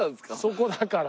そこだから。